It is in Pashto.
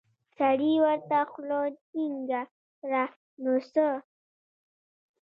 سړي ورته خوله جينګه کړه نو څه.